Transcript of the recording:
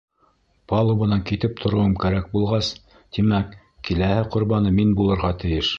Палубанан китеп тороуым кәрәк булғас, тимәк, киләһе ҡорбаны мин булырға тейеш.